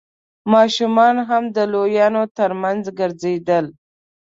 ماشومان هم د لويانو تر مينځ ګرځېدل.